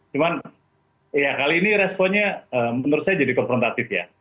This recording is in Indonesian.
cuman ya kali ini responnya menurut saya jadi konfrontatif ya